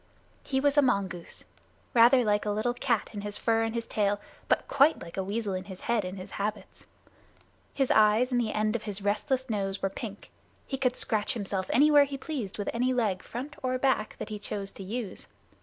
He was a mongoose, rather like a little cat in his fur and his tail, but quite like a weasel in his head and his habits. His eyes and the end of his restless nose were pink. He could scratch himself anywhere he pleased with any leg, front or back, that he chose to use.